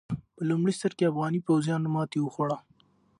په لومړي سر کې افغاني پوځيانو ماته وخوړه.